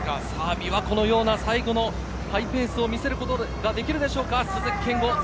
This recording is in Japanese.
びわ湖のような最後のハイペースを見せることができるでしょうか、鈴木健吾